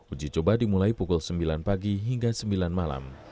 uji coba dimulai pukul sembilan pagi hingga sembilan malam